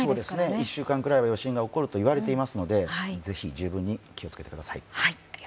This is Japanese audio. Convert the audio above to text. １週間ぐらいは余震が起こると言われていますので、ぜひ気をつけてください。